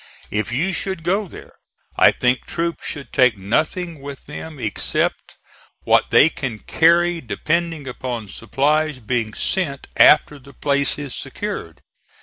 If you should go there, I think troops should take nothing with them except what they can carry, depending upon supplies being sent after the place is secured.